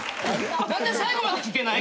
何で最後まで聞けない？